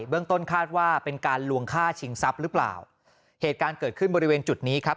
เรื่องต้นคาดว่าเป็นการลวงฆ่าชิงทรัพย์หรือเปล่าเหตุการณ์เกิดขึ้นบริเวณจุดนี้ครับ